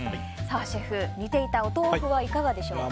シェフ、煮ていたお豆腐はいかがでしょうか？